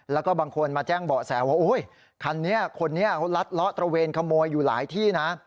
แล้วก็บางคนมาแจ้งเบาะแสว่าคันนี้คนนี้เขาลัดเลาะตระเวนขโมยอยู่หลายที่นะ